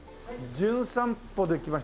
『じゅん散歩』で来ました